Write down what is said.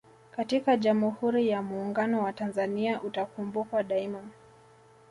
katika Jamuhuri ya Muuunguno wa Tanzania utakumbukwa daima